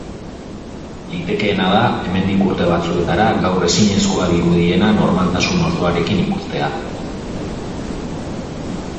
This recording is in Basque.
Litekeena da, hemendik urte batzuetara, gaur ezinezkoa dirudiena normaltasun osoarekin ikustea.